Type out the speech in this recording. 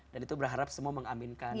dan itu berharap semua mengaminkan